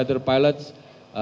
oke dari sebelah kanan